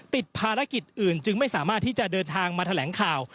ติดภารกิจอื่นจึงไม่สามารถที่จะเดินทางมาแถลงข่าว